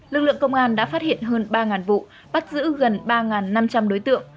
lực lượng công an đã phát hiện hơn ba vụ bắt giữ gần ba năm trăm linh đối tượng